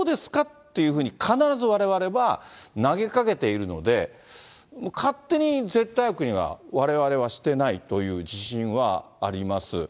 っていうふうに、必ずわれわれは投げかけているので、勝手に絶対悪には、われわれはしてないという自信はあります。